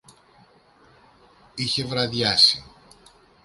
Είχε βραδιάσει.